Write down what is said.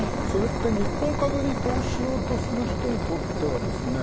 それって日本株に投資しようとする人にとっては。